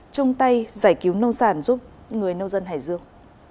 chung tay giải cứu nông sản giúp người nông dân hải dương